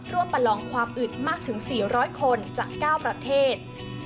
ประลองความอึดมากถึง๔๐๐คนจาก๙ประเทศ